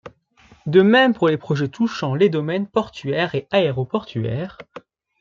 De même pour les projets touchant les domaines portuaires et aéroportuaires.